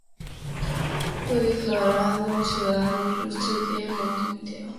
Fue declarado Ciudadano Ilustre de Montevideo.